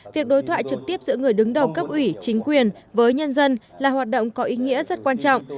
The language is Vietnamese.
việc đối thoại trực tiếp giữa người đứng đầu cấp ủy chính quyền với nhân dân là hoạt động có ý nghĩa rất quan trọng